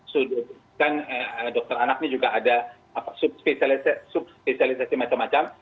sudah kan dokter anak ini juga ada spesialisasi macam macam